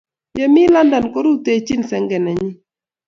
Ye mi London, korutochin senge nenyi.